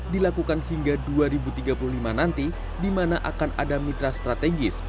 dilakukan hingga dua ribu tiga puluh lima nanti di mana akan ada mitra strategis